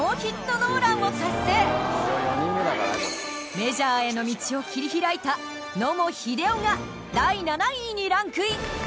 メジャーへの道を切り開いた野茂英雄が第７位にランクイン。